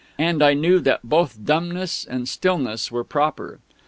And I knew that both dumbness and stillness were proper.